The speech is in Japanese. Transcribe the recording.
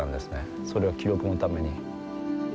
それは記録のために。